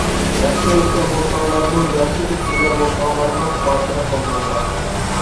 ياخشى ئۆتكەن بولساڭلارمۇ، ياخشى ئۆتمىگەن بولساڭلارمۇ خاتىرە قالدۇرۇڭلار.